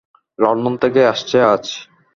London থেকে আসছে আজ।